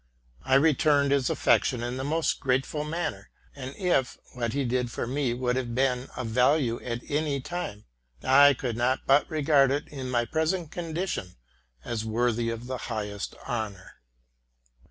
I re turned his affection in the most grateful manner ; and, if what he did for me would have been of value at any time, I could not but regard it, in my present condition, as worthy of the highest honor.